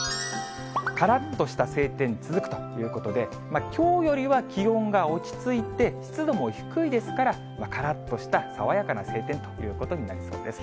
からっとした晴天続くということで、きょうよりは気温が落ち着いて、湿度も低いですから、からっとした爽やかな晴天ということになりそうです。